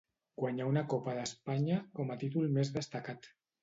Guanyà una copa d'Espanya, com a títol més destacat.